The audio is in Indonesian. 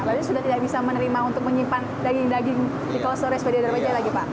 berarti sudah tidak bisa menerima untuk menyimpan daging daging di cold storage di darmajaya lagi pak